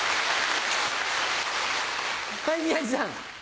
はい宮治さん。